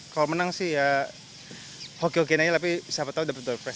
kalau menang sih ya hoki hokin aja tapi siapa tau dapet turnamen